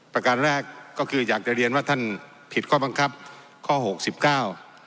ประการแรกก็คืออยากจะเรียนว่าท่านผิดข้อบังคับข้อหกสิบเก้า